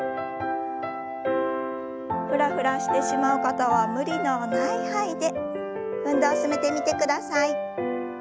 フラフラしてしまう方は無理のない範囲で運動を進めてみてください。